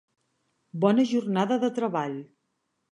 Bona jornada de treball.